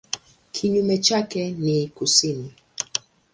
Kinyume chake ni kusini.